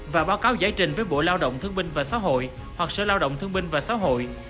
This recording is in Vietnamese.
và báo cáo giải trình với bộ lao động thương binh và xã hội hoặc sở lao động thương binh và xã hội